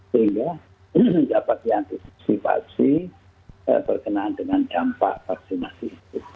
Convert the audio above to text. sehingga dapat diantisipasi berkenaan dengan dampak vaksinasi